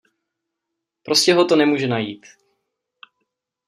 Prostě ho to nemůže najít.